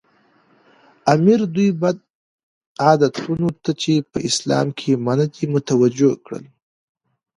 امیر دوی بدو عادتونو ته چې په اسلام کې منع دي متوجه کړل.